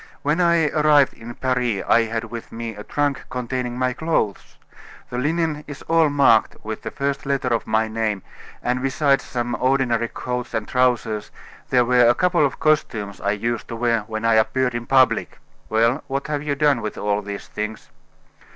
When I arrived in Paris I had with me a trunk containing my clothes. The linen is all marked with the first letter of my name, and besides some ordinary coats and trousers, there were a couple of costumes I used to wear when I appeared in public." "Well, what have you done with all these things?"